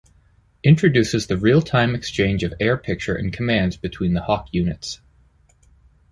Introduces the real-time exchange of air picture and commands between the Hawk units.